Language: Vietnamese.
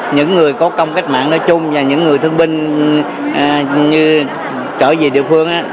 những người có công cách mạng nói chung và những người thương binh như trở về địa phương á